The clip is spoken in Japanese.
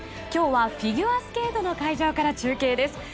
今日はフィギュアスケートの会場から中継です。